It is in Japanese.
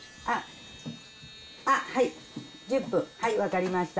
はい、１０分、分かりました。